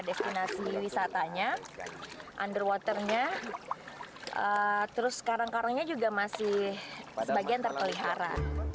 wisatanya underwater nya terus karang karangnya juga masih sebagian terpelihara